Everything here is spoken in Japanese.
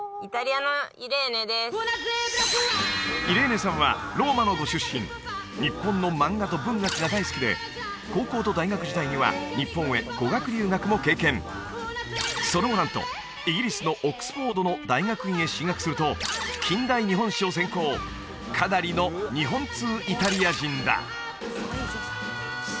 イレーネさんはローマのご出身日本の漫画と文学が大好きで高校と大学時代には日本へ語学留学も経験その後なんとイギリスのオックスフォードの大学院へ進学すると近代日本史を専攻かなりの日本通イタリア人だ